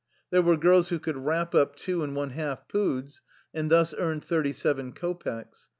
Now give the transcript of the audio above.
There were girls who could wrap up two and one half poods, and thus earned thirty seven ko pecks.